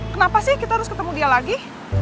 kenapa sih kita harus ketemu dia lagi